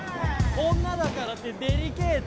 女だからってデリケート？